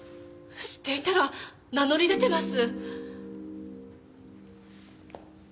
知っていたら名乗り出てます！